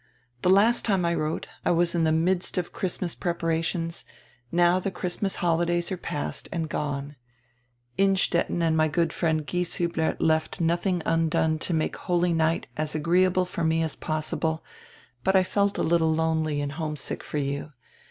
The last time I wrote, I was in the midst of Christmas preparations; now the Christmas holidays are past and gone. Innstetten and my good friend Gieshiibler left nothing undone to make Holy Night as agreeable for me as possible, but I felt a little lonely and homesick for you.